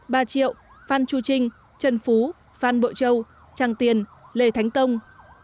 ba triệu phan chu trinh trần phú phan bội châu tràng tiền lê thánh tông